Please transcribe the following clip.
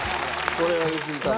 これは良純さん。